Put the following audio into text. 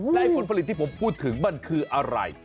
และผลผลิตที่ผมพูดถึงมันคืออะไร